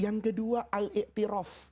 yang kedua al iktirof